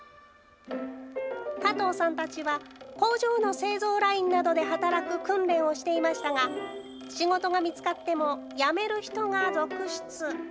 加藤さんたちは工場の製造ラインなどで働く訓練をしていましたが仕事が見つかっても辞める人が続出。